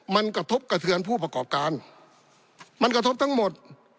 มันกระทบกระเทือนผู้ประกอบการมันกระทบทั้งหมด